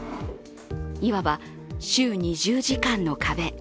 いわば、週２０時間の壁。